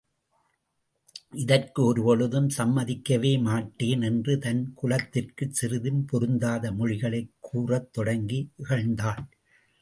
இதற்கு ஒரு பொழுதும் சம்மதிக்கவே மாட்டேன் என்று தன் குலத்திற்குச் சிறிதும் பொருந்தாத மொழிகளைக் கூறத் தொடங்கி இகழ்ந்தாள்.